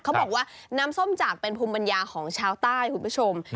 เขาบอกว่าน้ำส้มจากเป็นภูมิปัญญาของชาวใต้คุณผู้ชม